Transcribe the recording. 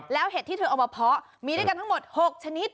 แล้วเห็ดที่เธอเอามาเพาะมีด้วยกันทั้งหมด๖ชนิด